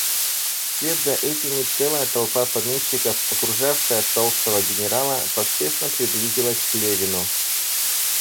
Вслед за этими целая толпа помещиков, окружавшая толстого генерала, поспешно приблизилась к Левину.